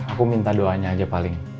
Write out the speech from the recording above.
aku minta doanya aja paling